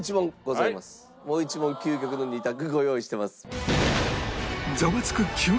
もう１問究極の２択ご用意してます。